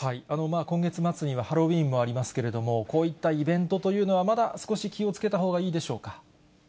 今月末にはハロウィーンもありますけれども、こういったイベントというのは、まだ少し気をつけたほうがいいでしょうか。